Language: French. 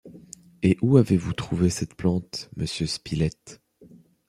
Et où avez-vous trouvé cette plante, monsieur Spilett?